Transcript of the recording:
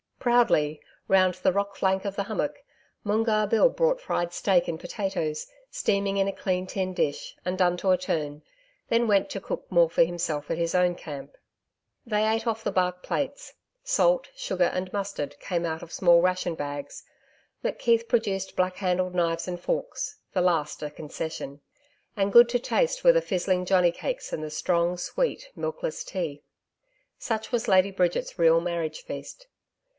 Proudly, round the rock flank of the hummock, Moongarr Bill brought fried steak and potatoes steaming in a clean tin dish and done to a turn, then went to cook more for himself at his own camp. They ate off the bark plates. Salt, sugar and mustard came out of small ration bags. McKeith produced black handled knives and forks the last a concession. And good to taste were the fizzling johnny cakes and the strong, sweet, milkless tea. Such was Lady Bridget's real marriage feast.